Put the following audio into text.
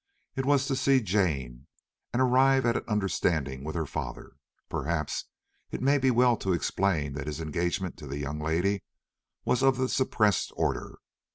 It was to see Jane, and arrive at an understanding with her father. Perhaps it may be well to explain that his engagement to that young lady was of the suppressed order.